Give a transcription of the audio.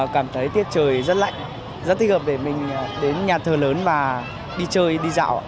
cảm thấy tiết trời rất lạnh rất thích hợp để mình đến nhà thờ lớn và đi chơi đi dạo